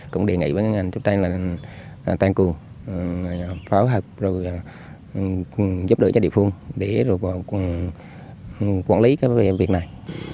cũng đề nghị với ngành chức trang là toàn cùng pháo hợp rồi giúp đỡ cho địa phương để quản lý cái việc này